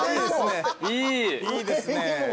いいですね